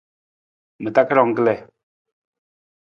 Ma takarang kalii.